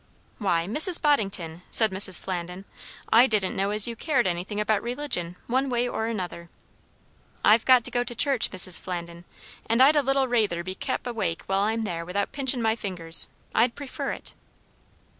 "Why, Mrs. Boddington," said Mrs. Flandin, "I didn't know as you cared anything about religion, one way or another." "I've got to go to church, Mrs. Flandin; and I'd a little rayther be kep' awake while I'm there without pinching my fingers. I'd prefer it."